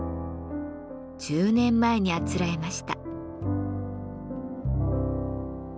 １０年前にあつらえました。